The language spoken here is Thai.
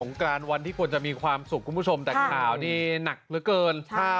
กรานวันที่ควรจะมีความสุขคุณผู้ชมแต่ข่าวนี้หนักเหลือเกิน